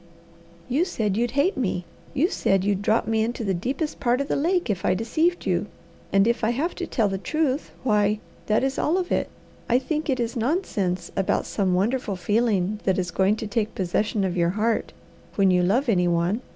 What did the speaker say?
"You said you'd hate me. You said you'd drop me into the deepest part of the lake if I deceived you; and if I have to tell the truth, why, that is all of it. I think it is nonsense about some wonderful feeling that is going to take possession of your heart when you love any one.